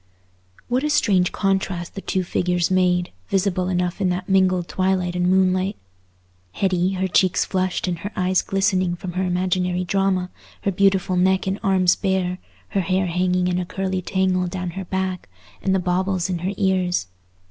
What a strange contrast the two figures made, visible enough in that mingled twilight and moonlight! Hetty, her cheeks flushed and her eyes glistening from her imaginary drama, her beautiful neck and arms bare, her hair hanging in a curly tangle down her back, and the baubles in her ears.